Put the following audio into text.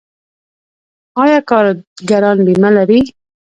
آیا کارګران بیمه لري؟